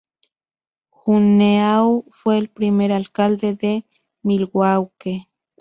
Juneau fue el primer alcalde de Milwaukee.